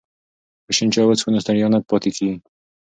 که شین چای وڅښو نو ستړیا نه پاتې کیږي.